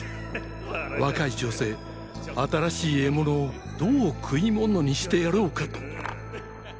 若い女性新しい獲物をどう食い物にしてやろうかと。